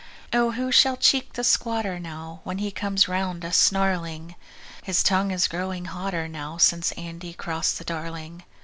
Oh, who shall cheek the squatter now When he comes round us snarling? His tongue is growing hotter now Since Andy cross'd the Darling.